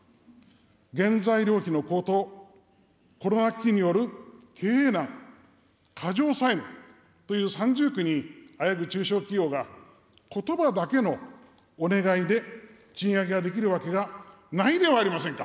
原材料費の高騰、コロナ危機による経営難、過剰債務という三重苦にあえぐ中小企業が、ことばだけのお願いで、賃上げができるわけがないではありませんか。